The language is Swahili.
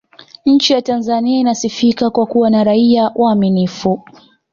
nchi ya tanzania inasifika kwa kuwa na raia waaminifu